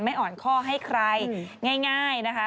ไม่อ่อนข้อให้ใครง่ายนะคะ